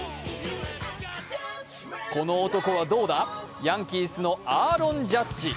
この男はどうだ、ヤンキースのアーロン・ジャッジ。